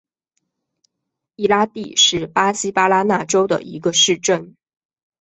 伊拉蒂是巴西巴拉那州的一个市镇。